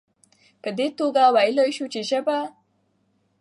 په دي توګه ويلايي شو چې ژبه